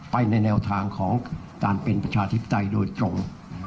ไปในแนวทางของการเป็นประชาธิปไตยโดยตรง